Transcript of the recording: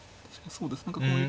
そうですね。